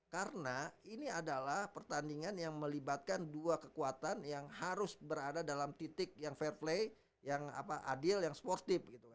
karena ini adalah pertandingan yang melibatkan dua kekuatan yang harus berada dalam titik yang fair play yang adil yang sportif